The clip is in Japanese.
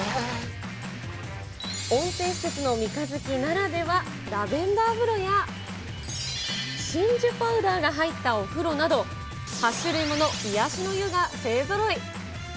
温泉施設の三日月ならでは、ラベンダー風呂や、真珠パウダーが入ったお風呂など、８種類もの癒やしの湯が勢ぞろい。